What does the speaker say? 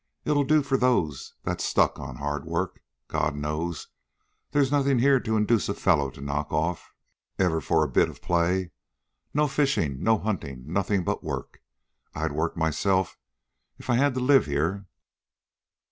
It'll do for those that's stuck on hard work God knows, they's nothin' here to induce a fellow to knock off ever for a bit of play. No fishin', no huntin', nothin' but work. I'd work myself, if I had to live here."